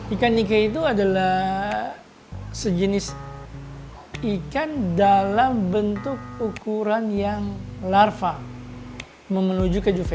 ikan nikah itu adalah sejenis ikan dalam bentuk ukuran yang larva memenuhi keju venil